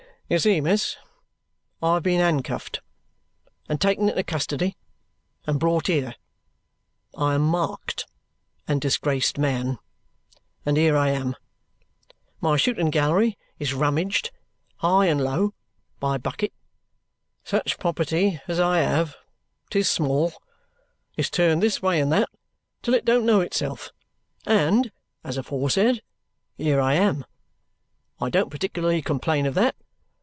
"You see, miss, I have been handcuffed and taken into custody and brought here. I am a marked and disgraced man, and here I am. My shooting gallery is rummaged, high and low, by Bucket; such property as I have 'tis small is turned this way and that till it don't know itself; and (as aforesaid) here I am! I don't particular complain of that.